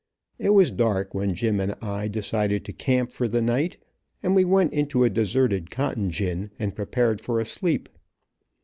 It was dark when Jim and I decided to camp for the night, and we went into a deserted cotton gin and prepared for a sleep.